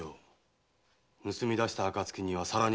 盗み出した暁にはさらに五十両。